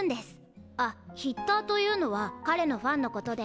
あヒッターというのは彼のファンのことで。